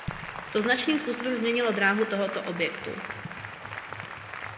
To značným způsobem změnilo dráhu tohoto objektu.